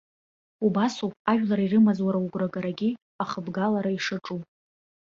Убасоуп, ажәлар ирымаз уара угәрагарагьы ахыбгалара ишаҿу!